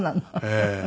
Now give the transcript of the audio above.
ええ。